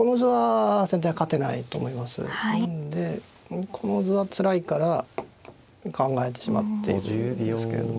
でこの図はつらいから考えてしまっているんですけれども。